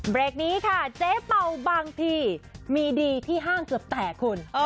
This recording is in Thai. เบรกนี้ค่ะเจ๊เป่าบางทีมีดีที่ห้างเกือบแตกคุณ